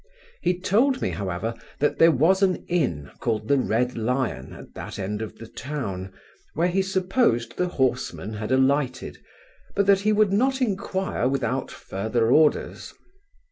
He told me, however, that there was an inn, called the Red Lion, at that end of the town, where he supposed the horseman had alighted, but that he would not enquire without further orders.